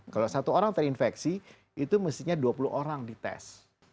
kalau satu orang terinfeksi itu mestinya dua puluh orang dites